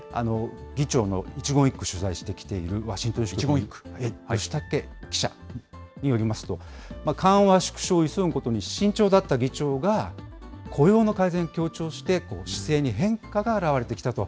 議長の一言一句を取材してきているワシントン支局の吉武記者によりますと、緩和縮小を急ぐことに慎重だった議長が、雇用の改善を強調して、姿勢に変化が表れてきたと。